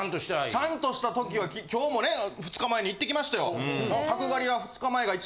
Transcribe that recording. ちゃんとした時は今日もね２日前に行ってきましたよ。